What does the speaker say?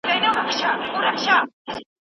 پروردګار موږ له بدو کارونو منع کړي يو.